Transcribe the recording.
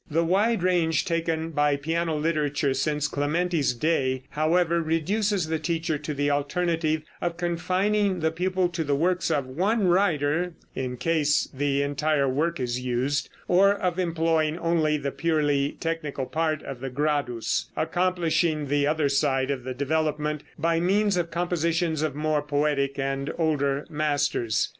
The wide range taken by piano literature since Clementi's day, however, reduces the teacher to the alternative of confining the pupil to the works of one writer, in case the entire work is used, or of employing only the purely technical part of the "Gradus," accomplishing the other side of the development by means of compositions of more poetic and older masters.